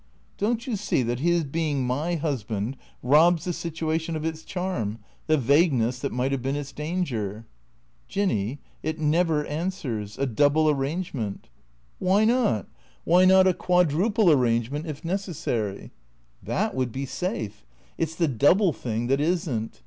" Don't you see that his being my husband robs the situation of its charm, the vagueness that might have been its danger ?"" Jinny — it never answers — a double arrangement." *' Why not ? Why not a quadruple arrangement if neces sary ?" THE CREATORS 333 "That would be safe. It's the double thing that isn't.